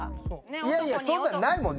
いやいやそんなんないもん。